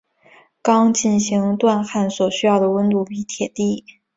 钢进行锻焊所需要的温度比铁低。